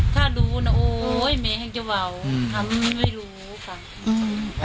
ถ้ารู้นะโอ้ยไม่แห่งจะว่าทำไม่รู้ค่ะ